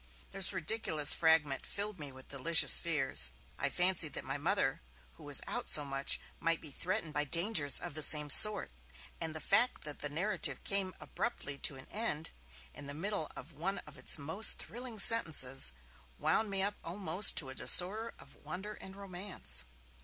This ridiculous fragment filled me with delicious fears; I fancied that my Mother, who was out so much, might be threatened by dangers of the same sort; and the fact that the narrative came abruptly to an end, in the middle of one of its most thrilling sentences, wound me up almost to a disorder of wonder and romance.